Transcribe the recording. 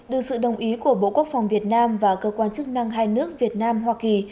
được sự đồng ý của bộ quốc phòng việt nam và cơ quan chức năng hai nước việt nam hoa kỳ